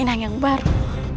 inang yang baru